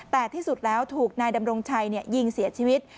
แต่ที่สุดแล้วถูกนายดำรงชัยยิงเสียชีวิต